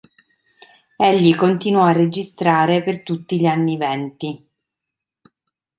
Egli continuò a registrare per tutti gli anni venti.